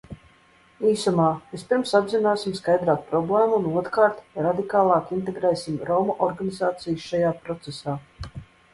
Īsumā, vispirms apzināsim skaidrāk problēmu un, otrkārt, radikālāk integrēsim romu organizācijas šajā procesā.